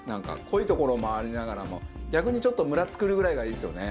濃いところもありながらも逆にちょっとムラ作るぐらいがいいですよね。